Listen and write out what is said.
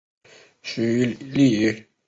许力以。